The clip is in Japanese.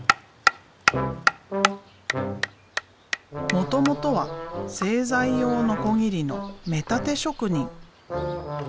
もともとは製材用ノコギリの目立て職人。